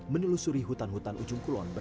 seperti seorang orang